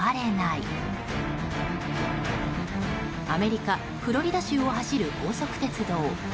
アメリカ・フロリダ州を走る高速鉄道。